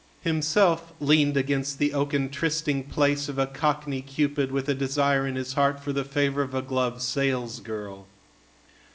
Himself leaned against the oaken trysting place of a cockney Cupid with a desire in his heart for the favor of a glove salesgirl.